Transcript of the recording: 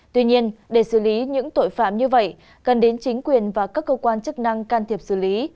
tuy nhiên để xử lý những tội phạm như vậy cần đến chính quyền và các cơ quan chức năng can thiệp xử lý